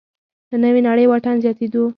له نوې نړۍ واټن زیاتېدو